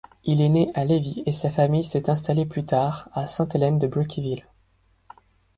Il est né à Lévis et sa famille s'est installée plus tard à Saint-Hélène-de-Breakeyville.